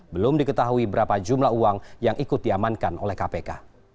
belum diketahui berapa jumlah uang yang ikut diamankan oleh kpk